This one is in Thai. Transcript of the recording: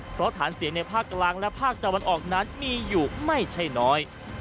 เพราะฐานเสียงในภาคกลางและภาคตะวันออกนั้นมีอยู่ไม่ใช่น้อย